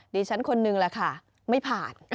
ดิฉันคนนึงแหละค่ะไม่ผ่าน